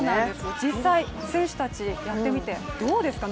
実際、選手たちやってみてどうですか？